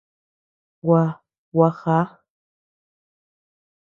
Gua, gua já.